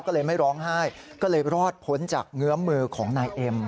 ก็เลยไม่ร้องไห้ก็เลยรอดพ้นจากเงื้อมือของนายเอ็ม